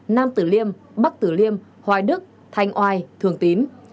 nam tử liêm bắc tử liêm hoài đức thanh oai thường tín